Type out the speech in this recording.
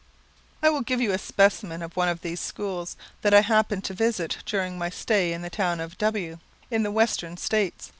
I will give you a specimen of one of these schools, that I happened to visit during my stay in the town of W , in the western states.